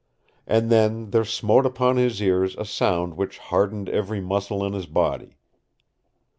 And then there smote upon his ears a sound which hardened every muscle in his body.